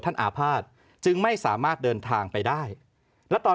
อาภาษณ์จึงไม่สามารถเดินทางไปได้และตอน